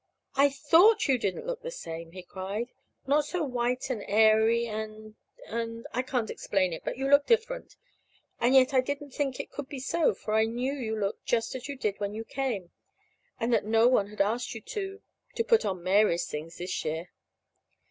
"I thought you didn't look the same!" he cried; "not so white and airy and and I can't explain it, but you looked different. And yet, I didn't think it could be so, for I knew you looked just as you did when you came, and that no one had asked you to to put on Mary's things this year."